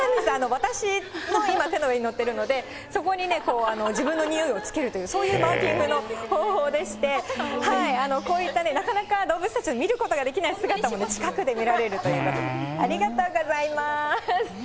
私の今、手の上に乗ってるので、そこにこう、自分のにおいをつけるという、そういうマーキングの方法でして、こういった、なかなか動物たちの見ることができない姿も近くで見られるということで、ありがとうございます。